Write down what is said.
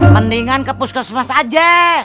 mendingan ke puskesmas aja